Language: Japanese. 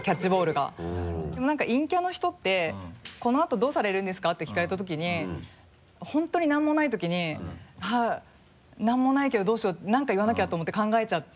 でもなんか陰キャの人って「このあとどうされるんですか？」て聞かれたときに本当に何もないときに「あっ何もないけどどうしよう何か言わなきゃ」と思って考えちゃって。